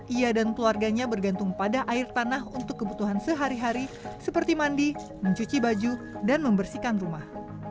ia dan keluarganya bergantung pada air tanah untuk kebutuhan sehari hari seperti mandi mencuci baju dan membersihkan rumah